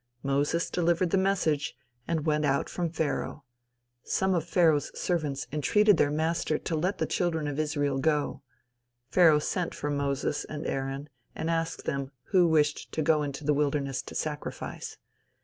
Moses delivered the message, and went out from Pharaoh. Some of Pharaoh's servants entreated their master to let the children of Israel go. Pharaoh sent for Moses and Aaron and asked them, who wished to go into the wilderness to sacrifice.